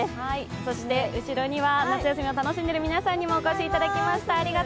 そして後ろには夏休みを楽しんでいる皆さんにもお越しいただきました。